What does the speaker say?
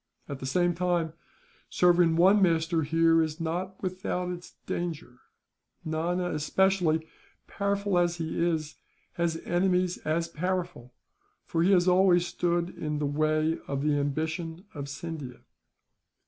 At the same time, serving one master here is not without its danger Nana especially, powerful as he is, has enemies as powerful; for he has always stood in the way of the ambition of Scindia."